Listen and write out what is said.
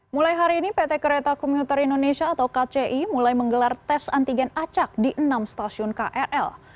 mulai hari ini pt kereta komuter indonesia atau kci mulai menggelar tes antigen acak di enam stasiun krl